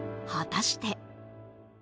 果たして。